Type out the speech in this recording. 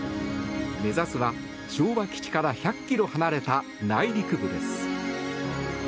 目指すは、昭和基地から１００ｋｍ離れた内陸部です。